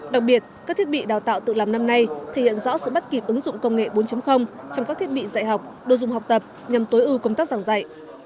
đặc biệt các thiết bị đào tạo tự làm năm nay thể hiện rõ sự bắt kịp ứng dụng công nghệ bốn trong các thiết bị dạy học đồ dùng học tập nhằm tối ưu công tác giảng dạy